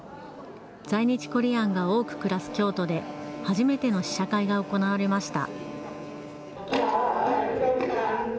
在日コリアンが多く暮らす京都で初めての試写会が行われました。